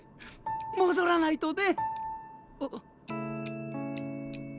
戻らないとね！